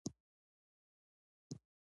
آب وهوا د افغانستان د زرغونتیا نښه ده.